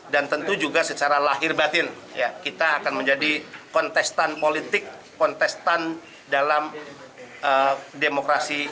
dan tentu juga secara lahir batin kita akan menjadi kontestan politik kontestan dalam demokrasi